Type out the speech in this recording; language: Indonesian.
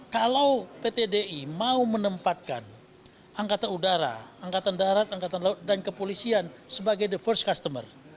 kalau pt di mau menempatkan angkatan udara angkatan darat angkatan laut dan kepolisian sebagai the first customer